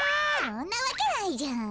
そんなわけないじゃん。